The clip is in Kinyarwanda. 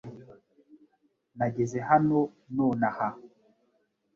Nageze hano nonaha .